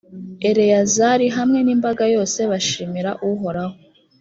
eleyazari hamwe n’imbaga yose bashimira uhoraho.